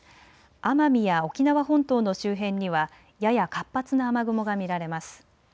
奄美や沖縄本島の周辺にはやや活発な雨雲が見られます。